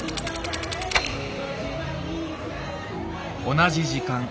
同じ時間。